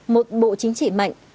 một bộ chính trị mạnh